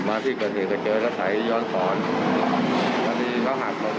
ไม่สุดคือเขาก็บอกว่าเดี๋ยวโทรหาต้องแก่